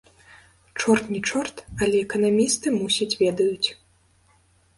Чорт не чорт, але эканамісты, мусіць, ведаюць.